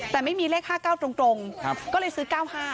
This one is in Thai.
แต่ไม่มีเลข๕๙ตรงก็เลยซื้อ๙๕